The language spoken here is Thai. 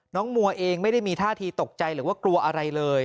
มัวเองไม่ได้มีท่าทีตกใจหรือว่ากลัวอะไรเลย